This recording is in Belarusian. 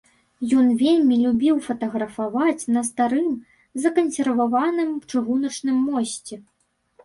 Ён вельмі любіў фатаграфаваць на старым закансерваваным чыгуначным мосце.